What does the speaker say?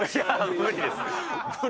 無理です。